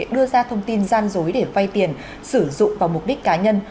đưa ra thông tin gian dối để vay tiền sử dụng vào mục đích cá nhân